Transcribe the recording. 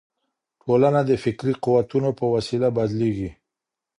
ټولنه د فکري قوتونو په وسیله بدلیږي.